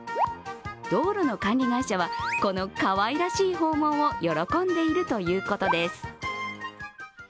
道路の管理会社は、このかわいらしい訪問を喜んでいるということです。